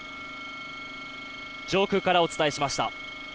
上空からお伝えしました。